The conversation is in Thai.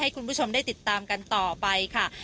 คุณผู้ชมได้ติดตามกันต่อไปค่ะ